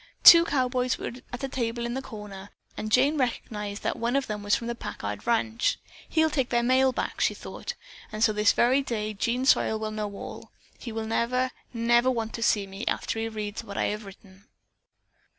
Two cowboys were at a table in a corner, and Jane recognized that one of them was from the Packard ranch. "He'll take back their mail," she thought, "and so this very day Jean Sawyer will know all. He will never, never want to see me after he reads what I have written."